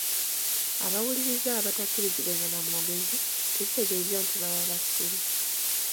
Abawuliriza abatakkiriziganya na mwogezi tekitegeeza nti baba basiru.